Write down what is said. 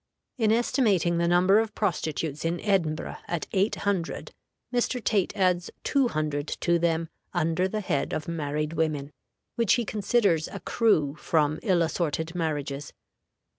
In estimating the number of prostitutes in Edinburgh at eight hundred, Mr. Tait adds two hundred to them under the head of married women, which he considers accrue from ill assorted marriages.